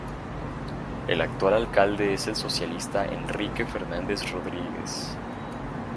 El actual alcalde es el socialista Enrique Fernández Rodríguez.